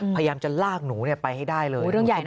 พยายามจะลากหนูไปให้ได้เลย